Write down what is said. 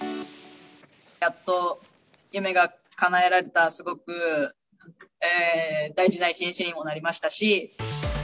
やっと夢がかなえられた、すごく大事な一日にもなりましたし。